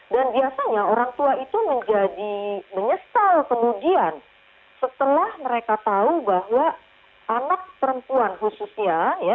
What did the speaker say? dan biasanya orang tua itu menjadi menyesal kemudian setelah mereka tahu bahwa anak perempuan khususnya ya